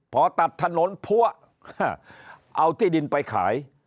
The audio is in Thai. พอตัดถนนพัวเอาที่ดินไปขาย